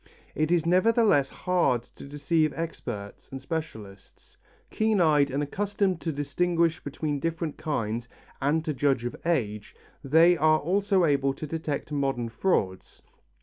It is nevertheless hard to deceive experts and specialists. Keen eyed and accustomed to distinguish between different kinds, and to judge of age, they are also able to detect modern frauds.